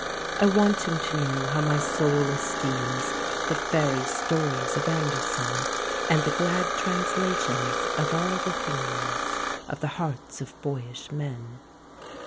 I want him to know how my soul esteems The fairy stories of Andersen, And the glad translations of all the themes Of the hearts of boyish men.